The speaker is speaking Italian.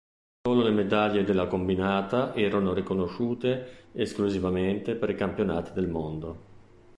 Solo le medaglie della combinata erano riconosciute esclusivamente per i Campionati del mondo.